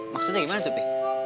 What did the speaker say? maksudnya gimana tuh bi